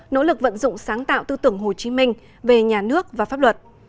nỗ lực vận dụng sáng tạo tư tưởng hồ chí minh về nhà nước và pháp luật